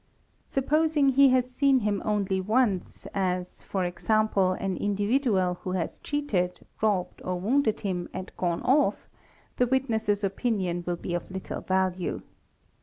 Supposing he has seen him only once as, for example, an individual who has cheated, robbed, or wounded him and gone off, the witness's opinion will be O1 | little value.